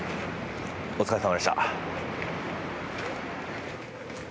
お疲れさまでした。